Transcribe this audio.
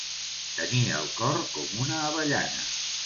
Tenir el cor com una avellana.